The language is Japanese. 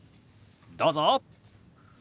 どうぞ。